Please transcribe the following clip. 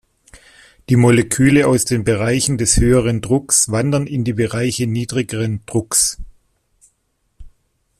Die Moleküle aus den Bereichen des höheren Drucks wandern in die Bereiche niedrigeren Drucks.